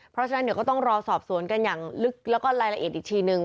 เพราะฉะนั้นก็ต้องรสอบสวนกันอย่างลึกและรายละเอียดอีกทีหนึ่ง